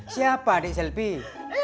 siapa di selfie